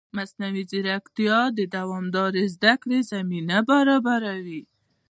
مصنوعي ځیرکتیا د دوامدارې زده کړې زمینه برابروي.